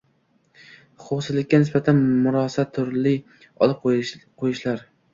huquqsizlikka nisbatan «murosa», turli olib qo‘yishlar